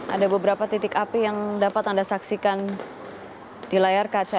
ada beberapa titik api yang dapat anda saksikan di layar kaca